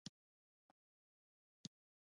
د نوکانو د سپینیدو لپاره د څه شي اوبه وکاروم؟